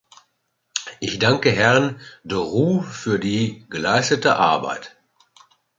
Ich danke Herrn de Roo für die geleistete Arbeit.